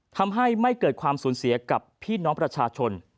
ทำให้ไม่เกิดความสูญเสียกับพี่น้องประชาชน